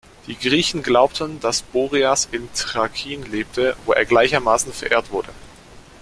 Die Griechen glaubten, dass Boreas in Thrakien lebte, wo er gleichermaßen verehrt wurde.